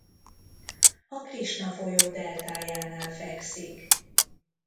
A Krisna folyó deltájánál fekszik.